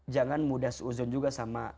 jangan mudah seuzon juga sama